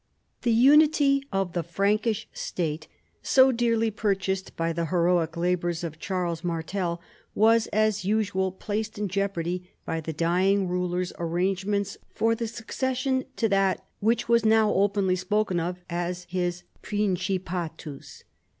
The unity of the Frankish State, so dearly pur chased l)y the heroic labors of Charles Martel, was as usual placed in jeopardy by the dying ruler's arrangements for the succession to that which was now openly spoken of as his " principatus."